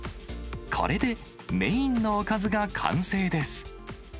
これでメインのおかずが完成です。